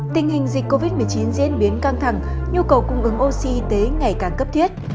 tình hình dịch covid một mươi chín diễn biến căng thẳng nhu cầu cung ứng oxy ngày càng cấp thiết